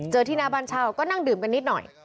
ที่หน้าบ้านเช่าก็นั่งดื่มกันนิดหน่อย